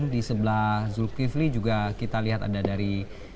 di sebelah zulkifli juga kita lihat ada dari